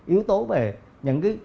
yếu tố về những cái